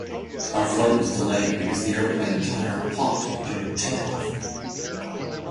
Our flight was delayed because the airplane tire popped during takeoff.